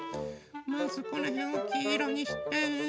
まずこのへんをきいろにして。